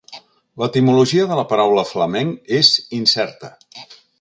L'etimologia de la paraula flamenc és incerta.